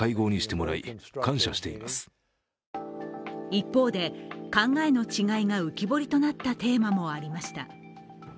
一方で考えの違いが浮き彫りとなったテーマもありました。